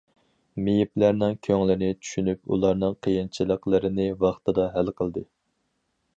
مېيىپلەرنىڭ كۆڭلىنى چۈشىنىپ، ئۇلارنىڭ قىيىنچىلىقلىرىنى ۋاقتىدا ھەل قىلدى.